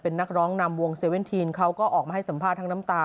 เป็นนักร้องนำวงเซเว่นทีนเขาก็ออกมาให้สัมภาษณ์ทั้งน้ำตา